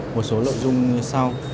một số nội dung như sau